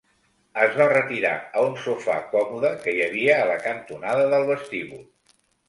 Es va retirar a un sofà còmode que hi havia a la cantonada del vestíbul.